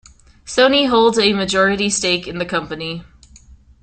Sony holds a majority stake in the company.